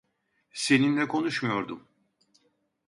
Seninle konuşmuyordum.